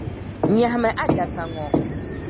Nyɛhimi adaka ŋɔ.